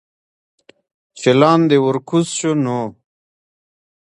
چې لاندې ورکوز شو نو